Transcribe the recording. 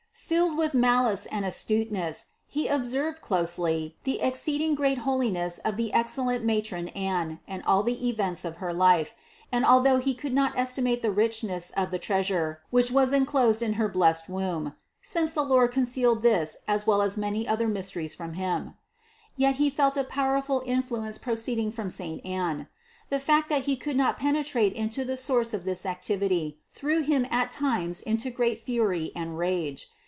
316. Filled with malice and astuteness, he observed closely the exceeding great holiness of the excellent ma tron Anne and all the events of her life: and although he could not estimate the richness of the Treasure, which was enclosed in her blessed womb (since the Lord con cealed this as well as many other mysteries from him), 256 CITY OF GOD yet he felt a powerful influence proceeding from saint Anne. The fact that he could not penetrate into the source of this activity, threw him at times into great fury and rage.